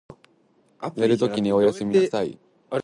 寝るときにおやすみなさい。